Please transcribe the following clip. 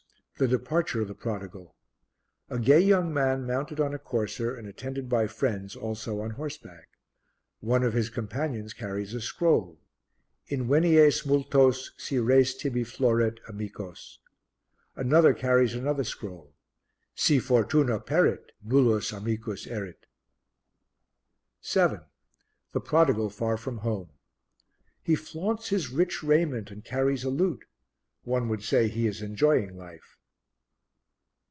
The Departure of the Prodigal. A gay young man mounted on a courser and attended by friends also on horseback. One of his companions carries a scroll: "Invenies multos, si res tibi floret, amicos;" another carries another scroll: "Si fortuna perit, nullus amicus erit." 7. The Prodigal far from Home. He flaunts his rich raiment and carries a lute; one would say he is enjoying life.